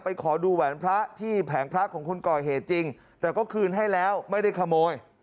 ขอดูแหวนพระที่แผงพระของคนก่อเหตุจริงแต่ก็คืนให้แล้วไม่ได้ขโมย